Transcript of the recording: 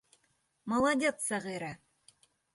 Молодец, Сәғирә!